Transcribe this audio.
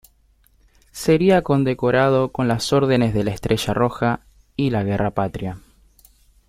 Sería condecorado con las órdenes de la Estrella Roja y la Guerra Patria.